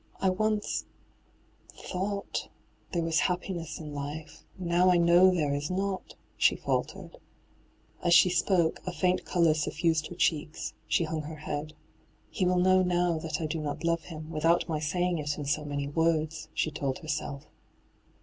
' I once — ^thought — there was happiness in life : now I know there is not,* she faltered. As she spoke, a faint colour suffused her cheeks ; she hung her head. ' He will know now that I do not love him, without my saying it in so many words,' she told herself.